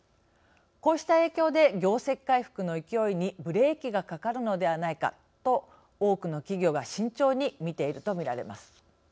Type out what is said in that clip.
こうした影響で業績回復の勢いにブレーキがかかるのではないかと多くの企業が慎重に見ているとみられます。